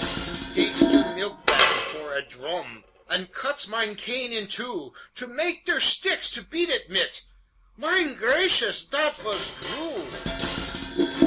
He dakes der milk ban for a dhrum, Und cuts mine cane in dwo, To make der schticks to beat it mit, Mine cracious, dot vas drue!